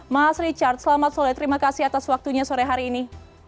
mas richard selamat sore terima kasih atas waktunya sore hari ini